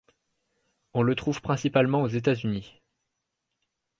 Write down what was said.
On le trouve principalement aux États-Unis.